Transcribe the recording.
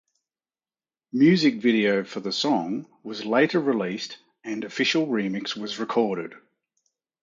Music video for the song was later released and official remix was recorded.